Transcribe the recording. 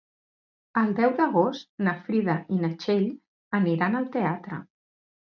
El deu d'agost na Frida i na Txell aniran al teatre.